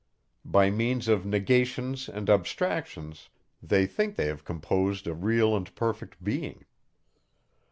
By means of negations and abstractions, they think they have composed a real and perfect being.